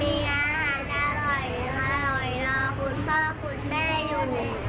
มีอาหารอร่อยรอคุณพ่อคุณแม่อยู่